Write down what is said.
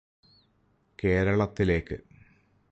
കേരളത്തിലേക്ക്